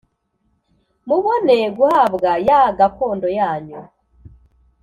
Mubone guhabwa ya gakondo yanyu